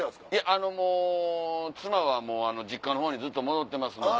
あのもう妻は実家のほうにずっと戻ってますので。